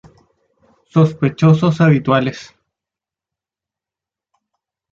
Sospechosos habituales.